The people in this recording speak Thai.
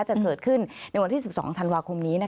จะเกิดขึ้นในวันที่๑๒ธันวาคมนี้